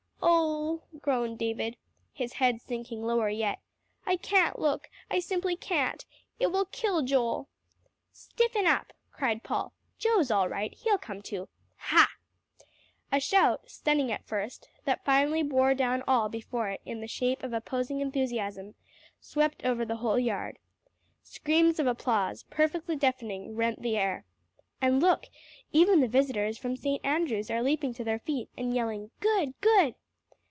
"Oh!" groaned David, his head sinking lower yet, "I can't look; I simply can't. It will kill Joel." "Stiffen up!" cried Paul. "Joe's all right; he'll come to. Ha!" A shout, stunning at first, that finally bore down all before it in the shape of opposing enthusiasm, swept over the whole yard. Screams of applause, perfectly deafening, rent the air. And look! even the visitors from St. Andrew's are leaping to their feet, and yelling, "Good good."